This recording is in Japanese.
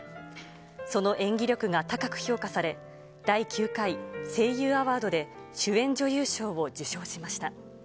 その演技力が高く評価され、第９回声優アワードで主演女優賞を受賞しました。